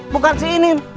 bukan si ini nin